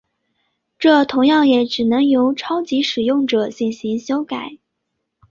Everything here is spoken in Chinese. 这同样也只能由超级使用者进行修改。